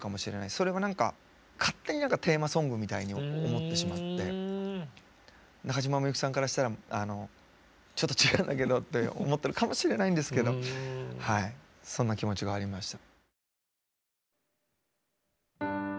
それは何か勝手に何かテーマソングみたいに思ってしまって中島みゆきさんからしたらちょっと違うんだけどって思ってるかもしれないんですけどはいそんな気持ちがありました。